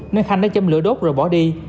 nên khanh đã chấm lửa đốt rồi bỏ đi